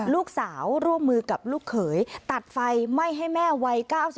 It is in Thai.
ลูกสาวร่วมมือกับลูกเขยตัดไฟไม่ให้แม่วัย๙๒